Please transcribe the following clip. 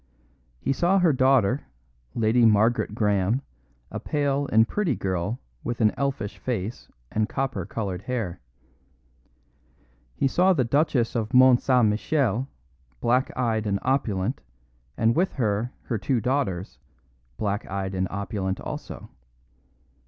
He saw her daughter, Lady Margaret Graham, a pale and pretty girl with an elfish face and copper coloured hair. He saw the Duchess of Mont St. Michel, black eyed and opulent, and with her her two daughters, black eyed and opulent also.